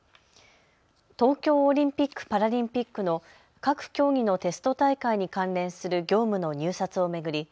東京オリンピック・パラリンピックの各競技のテスト大会に関連する業務の入札を巡り